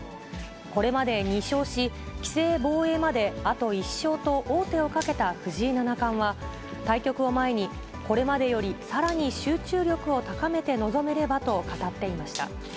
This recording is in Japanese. これまで２勝し、棋聖防衛まであと１勝と王手をかけた藤井七冠は、対局を前に、これまでよりさらに集中力を高めて臨めればと語っていました。